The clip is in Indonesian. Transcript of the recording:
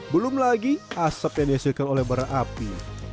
belum lagi asap yang dihasilkan oleh bara api